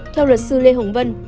theo luật sư lê hồng vân